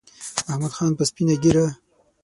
محمود خان په سپینه ګیره